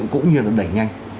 cũng như là đẩy nhanh